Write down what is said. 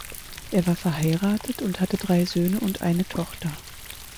Er war verheiratet und hatte drei Söhne und eine Tochter.